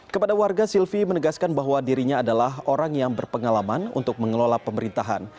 kepada warga silvi menegaskan bahwa dirinya adalah orang yang berpengalaman untuk mengelola pemerintahan